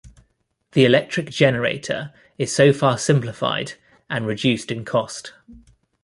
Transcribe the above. The electric generator is so far simplified, and reduced in cost.